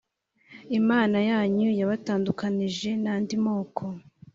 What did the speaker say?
imana yanyu yabatandukanyije n andi moko